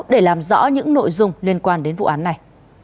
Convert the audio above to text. để làm rõ những nội dung liên quan đến vụ án này